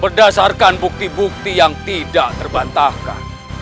berdasarkan bukti bukti yang tidak terbantahkan